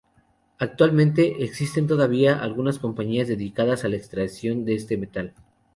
Actualmente, existen todavía algunas compañías dedicadas a la extracción de este metal.